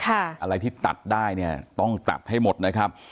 อะไรที่ตัดได้เนี่ยต้องตัดให้หมดนะครับ